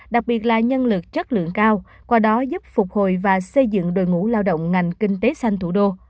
đặc biệt là nhân lực chất lượng cao qua đó giúp phục hồi và xây dựng đội ngũ lao động ngành kinh tế xanh thủ đô